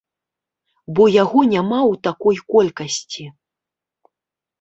Бо яго няма ў такой колькасці.